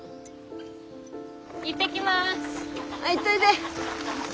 行ってきます。